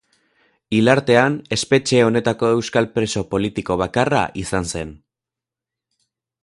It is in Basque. Hil artean espetxe honetako euskal preso politiko bakarra izan zen.